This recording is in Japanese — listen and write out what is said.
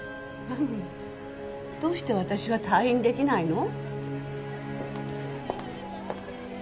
なのにどうして私は退院出来ないの？